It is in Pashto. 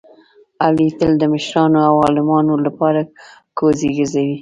علي تل د مشرانو او عالمانو لپاره کوزې ګرځوي.